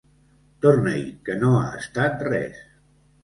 Torna-hi, que no ha estat res!